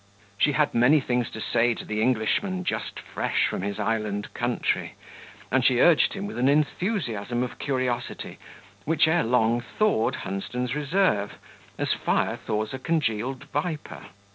She had many things to say to the Englishman just fresh from his island country, and she urged him with an enthusiasm of curiosity, which ere long thawed Hunsden's reserve as fire thaws a congealed viper.